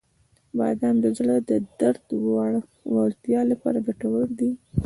• بادام د زړه د دردو وړتیا لپاره ګټور دي.